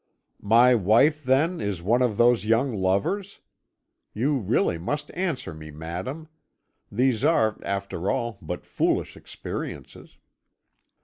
"'My wife, then, is one of those young lovers? You really must answer me, madam. These are, after all, but foolish experiences.'